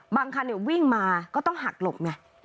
บางคันเนี่ยวิ่งมาก็ต้องหักหลบไหม